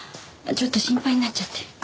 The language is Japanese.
ちょっと心配になっちゃって。